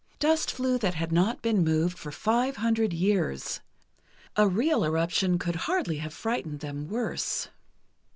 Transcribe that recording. Dust flew that had not been moved for five hundred years. A real eruption could hardly have frightened them worse.